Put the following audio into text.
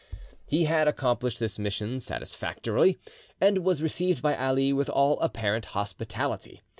He had accomplished his mission satisfactorily, and was received by Ali with all apparent hospitality.